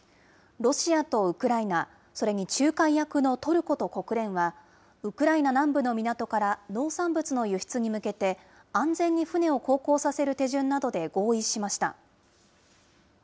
ロシアとウクライナ、それに仲介役のトルコと国連は、ウクライナ南部の港から農産物の輸出に向けて、安全に船を航行させる手順などで合意しました。